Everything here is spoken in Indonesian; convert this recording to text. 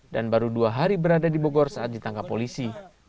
dan baru dua hari berada di bogor saat ditangkap polisi